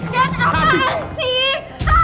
cepat apaan sih